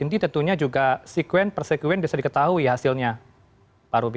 ini tentunya juga sekuen per sekuen bisa diketahui hasilnya pak ruby